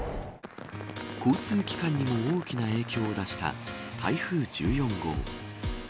交通機関にも大きな影響を出した台風１４号。